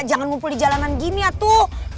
jangan ngumpul di jalanan gini atuh